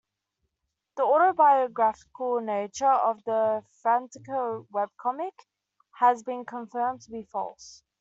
The auto-biographical nature of the Frantico webcomic has been confirmed to be false.